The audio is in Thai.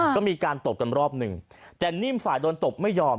ก็มีการตบกันรอบหนึ่งแต่นิ่มฝ่ายโดนตบไม่ยอม